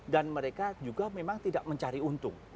dan mereka juga memang tidak mencari untung